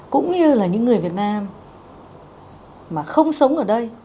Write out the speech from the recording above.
cũng như là những người việt nam mà không sống ở đây